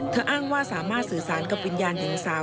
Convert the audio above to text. อ้างว่าสามารถสื่อสารกับวิญญาณหญิงสาว